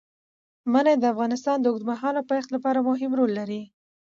منی د افغانستان د اوږدمهاله پایښت لپاره مهم رول لري.